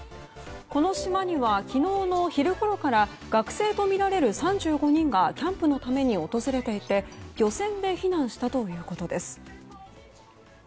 この島には昨日の昼ごろから学生とみられる３５人がキャンプのために訪れていて漁船で避難したということです。